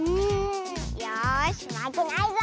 よしまけないぞ！